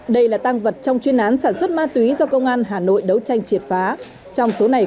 đây là tăng vật trong chuyên án sản xuất ma túy do công an hà nội đấu tranh triệt phá